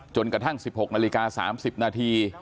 กระทั่ง๑๖นาฬิกา๓๐นาที